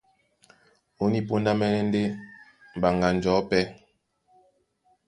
Ó ní póndá mɛ́nɛ́ ndé mbaŋga njɔ̌ pɛ́,